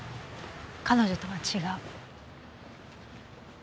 彼女とは違う。